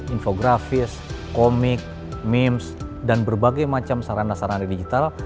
infografis komik memes dan berbagai macam sarana sarana digital